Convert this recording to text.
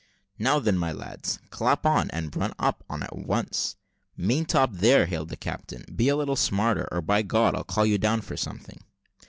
"Now then, my lads, clap on, and run it up at once." "Maintop, there," hailed the captain, "be a little smarter, or, by God, I'll call you down for something."